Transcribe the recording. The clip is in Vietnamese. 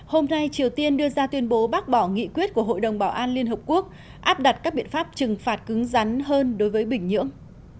hôm nay triều tiên đưa ra tuyên bố bác bỏ nghị quyết của hội đồng bảo an liên hợp quốc áp đặt các biện pháp trừng phạt cứng rắn hơn đối với bình nhưỡng